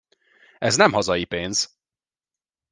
Ez nem hazai pénz!